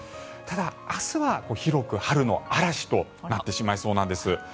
ただ、明日は広く春の嵐となってしまいそうなんです。